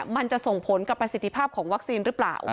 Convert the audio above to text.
มันจะส่งผลกับประสิทธิภาพของวัคซีนหรือเปล่า